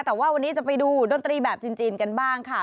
แต่ว่าวันนี้จะไปดูดนตรีแบบจีนกันบ้างค่ะ